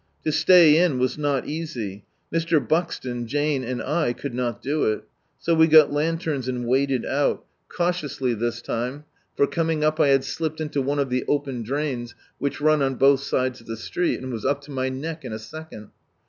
To stay in was not easy. Mr. Buxton, Jane, and I could not do it. So we got lanterns and waded out— cautiously this time, for coming up I had slipped into one of the open drains which run on both sides of the street, and was up to my neck in a second.